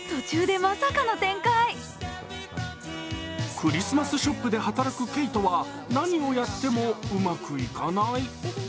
クリスマスショップで働くケイトは何をやってもうまくいかない。